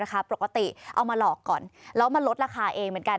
ปกติเอามาหลอกก่อนแล้วมาลดราคาเองเหมือนกัน